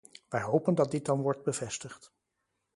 Wij hopen dat dit dan wordt bevestigd.